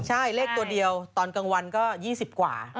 ใช่เลขตัวเดียวตอนกลางวันก็๒๐กว่า